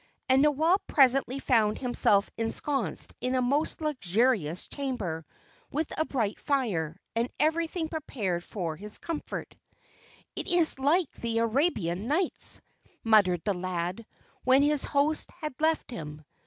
And Noel presently found himself ensconced in a most luxurious chamber, with a bright fire, and everything prepared for his comfort. "It is like the 'Arabian Nights,'" muttered the lad, when his host had left him.